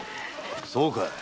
そうかい。